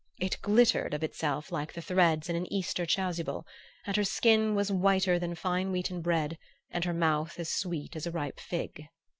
It glittered of itself like the threads in an Easter chasuble, and her skin was whiter than fine wheaten bread and her mouth as sweet as a ripe fig....